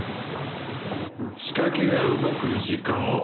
仕掛けが動く時間を間違えた。